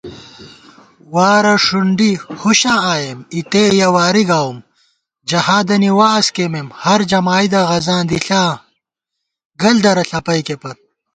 وارہ ݭُنڈی ہُوشاں آئیم، اِتے یَہ واری گاؤم * جہادنی وعظ کئیمېم ہر جمائیدہ غزاں دِݪا گل درہ ݪپَئیکےپت